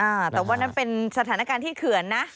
อ่าแต่ว่านั่นเป็นสถานการณ์ที่เขื่อนนะ